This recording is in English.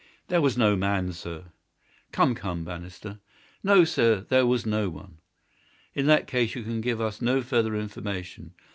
"There was no man, sir." "Come, come, Bannister!" "No, sir; there was no one." "In that case you can give us no further information.